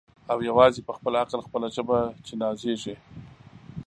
او یوازي په خپل عقل خپله ژبه چي نازیږي